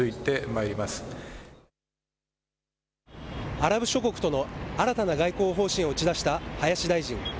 アラブ諸国との新たな外交方針を打ち出した林大臣。